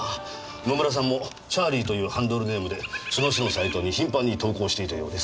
野村さんも「Ｃｈａｒｌｉｅ」というハンドルネームでその種のサイトに頻繁に投稿していたようです。